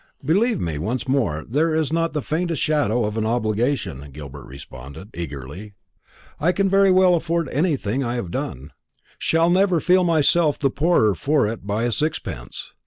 "Believe me, once more, there is not the faintest shadow of an obligation," Gilbert responded eagerly; "I can very well afford anything I have done; shall never feel myself the poorer for it by a sixpence.